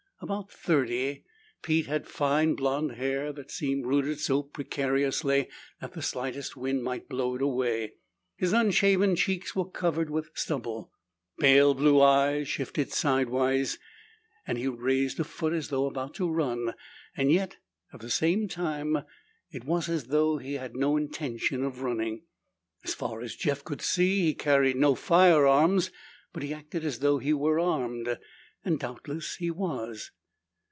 About thirty, Pete had fine blond hair that seemed rooted so precariously that the slightest wind might blow it away. His unshaven cheeks were covered with stubble. Pale blue eyes shifted sideways, and he raised a foot as though about to run. Yet, at the same time, it was as though he had no intention of running. As far as Jeff could see, he carried no firearms, but he acted as though he were armed, and doubtless he was.